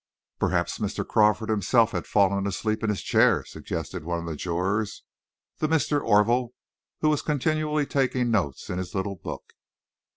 "Perhaps Mr. Crawford himself had fallen asleep in his chair," suggested one of the jurors, the Mr. Orville, who was continually taking notes in his little book.